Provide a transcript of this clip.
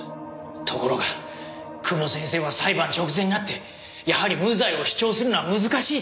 ところが久保先生は裁判直前になってやはり無罪を主張するのは難しいと言い出して。